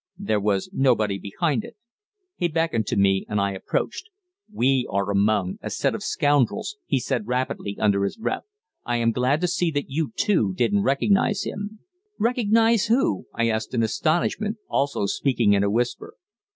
There was nobody behind it. He beckoned to me, and I approached. "We are among a set of scoundrels," he said rapidly, under his breath. "I am glad to see that you too didn't recognize him." "Recognize whom?" I asked in astonishment, also speaking in a whisper.